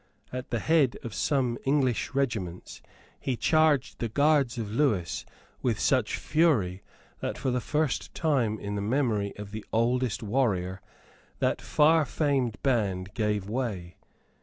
At the head of some English regiments he charged the guards of Lewis with such fury that, for the first time in the memory of the oldest warrior, that far famed band gave way.